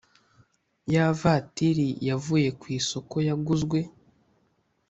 ya vatiri yavuye ku isoko yaguzwe